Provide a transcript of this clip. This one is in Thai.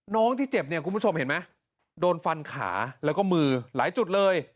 ที่เจ็บเนี่ยคุณผู้ชมเห็นไหมโดนฟันขาแล้วก็มือหลายจุดเลย